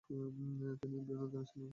তিনিও বিভিন্ন ধরনের সিনেমা প্রযোজনা করেছেন।